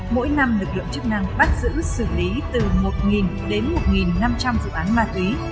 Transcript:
mỗi năm lực lượng chức năng bắt giữ xử lý từ một đến một năm trăm linh vụ án ma túy